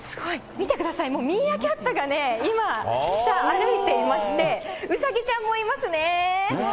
見てください、もうミーアキャットが今、下、歩いていまして、ウサギちゃんもいますね。